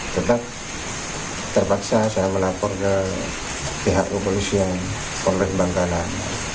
tetap terpaksa saya melapor ke pihak kepolisian polres bangkalan